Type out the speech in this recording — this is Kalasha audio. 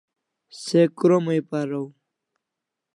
Se kromai paraw